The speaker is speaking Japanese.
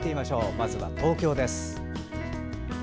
まずは東京です。